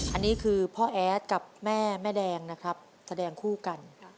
อันนี้คือพ่อแอดกับแม่แม่แดงนะครับแสดงคู่กัน